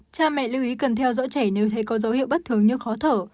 cha mẹ lưu ý cần theo dõi trẻ nếu thấy có dấu hiệu bất thường như khó thở